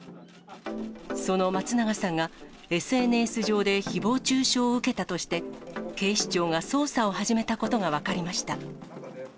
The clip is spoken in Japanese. その松永さんが、ＳＮＳ上でひぼう中傷を受けたとして、警視庁が捜査を始めたことが分かりました。